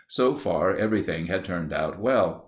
So far everything had turned out well.